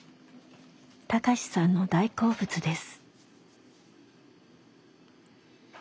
貴志さんの大好物です。